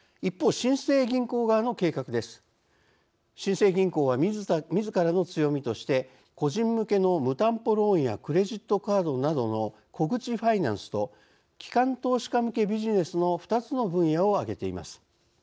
新生銀行はみずからの強みとして個人向けの無担保ローンやクレジットカードなどの「小口ファイナンス」と「機関投資家向けビジネス」の２つの分野を挙げています。